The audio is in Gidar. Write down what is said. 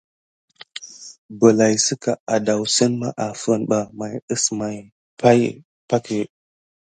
Bəlay sika adasine mà afine ɓa may kusimaya pay.